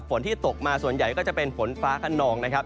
ที่ตกมาส่วนใหญ่ก็จะเป็นฝนฟ้าขนองนะครับ